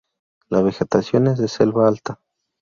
La vegetación es de selva alta.